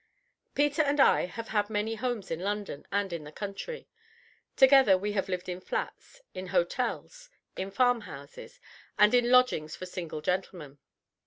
Peter and I have had many homes in London and in the country. Together we have lived in flats, in hotels, in farm houses, and in lodgings for single gentlemen.